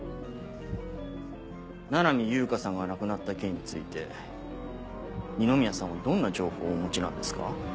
七海悠香さんが亡くなった件について二宮さんはどんな情報をお持ちなんですか？